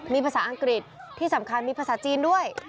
มีภาษาอังกฤษที่สำคัญมีภาษาจีนด้วย